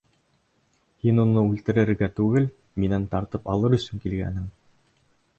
Һин уны үлтерергә түгел, минән тартып алыр өсөн килгәнһең!